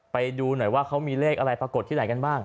ไปดูหน่อยว่าเขามีเลขอะไรปรากฏที่ไหนกันบ้าง